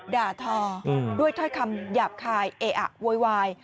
ด่าทอได้ทดคำหยาบคายเออโวยไว